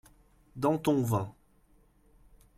dans ton vin.